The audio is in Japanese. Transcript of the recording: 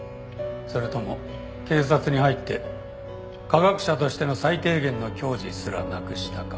それとも警察に入って科学者としての最低限の矜持すらなくしたか？